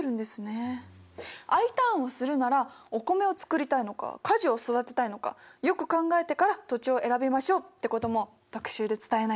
Ｉターンをするならお米を作りたいのか果樹を育てたいのかよく考えてから土地を選びましょうってことも特集で伝えないと。